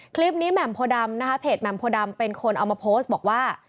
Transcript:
แหม่มโพดำนะคะเพจแหม่มโพดำเป็นคนเอามาโพสต์บอกว่า